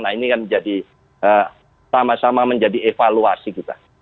nah ini yang menjadi sama sama menjadi evaluasi kita